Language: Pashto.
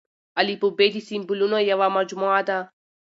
الفبې د سمبولونو يوه مجموعه ده.